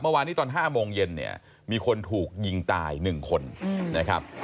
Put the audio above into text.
เมื่อวานนี้ตอน๕โมงเย็นเนี่ยมีคนถูกยิงตาย๑คนนะครับ